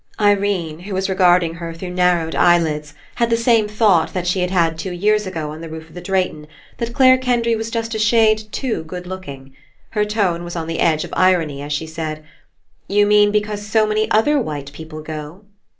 Irene, who was regarding her through narrowed eyelids, had the same thought that she had had two years ago on the roof of the Drayton, that Clare Kendry was just a shade too good looking. Her tone was on the edge of irony as she said: "You mean because so many other white people go?"